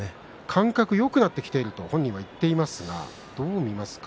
感覚がよくなってきたと本人は言っていますがどう見ますか。